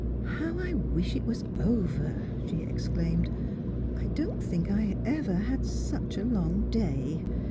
" How I wish it was over !" she exclaimed ;" I don't think I ever had such a long day.